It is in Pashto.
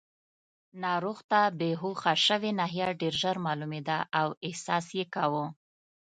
ناروغ ته بېهوښه شوې ناحیه ډېر ژر معلومېده او احساس یې کاوه.